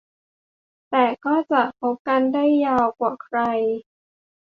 แต่ก็จะคบกันได้ยาวกว่าใคร